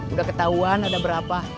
udah ketahuan ada berapa